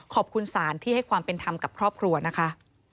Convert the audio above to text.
ขอบคุณศาลที่ให้ความเป็นธรรมกับครอบครัวนะคะ